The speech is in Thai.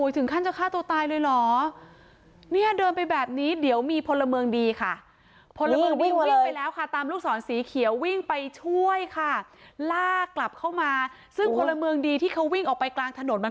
ซึ่งชีวิตมือกรมงค์ดีที่เขาวิ่งออกไปกลางถนนมัน